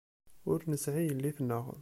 Ur nesɛi yelli-tneɣ.